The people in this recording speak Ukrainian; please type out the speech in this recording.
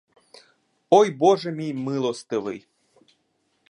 Ой боже мій милостивий!